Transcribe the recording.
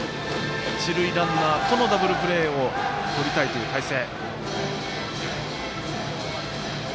一塁ランナーとのダブルプレーをとりたいという態勢。